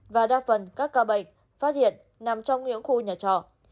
và đa phần các ca bệnh phát hiện nằm trong những khu nhà trọ